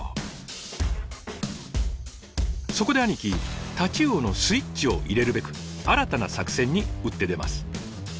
そこで兄貴タチウオのスイッチを入れるべく新たな作戦に打って出ます。